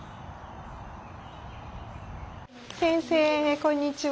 先生こんにちは。